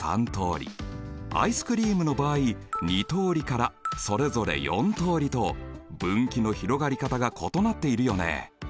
アイスクリームの場合２通りからそれぞれ４通りと分岐の広がり方が異なっているよね。